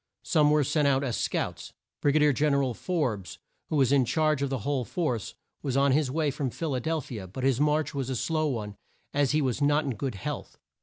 Some were sent out as scouts. Brig a dier Gen er al Forbes, who was in charge of the whole force, was on his way from Phil a del phi a, but his march was a slow one as he was not in good health.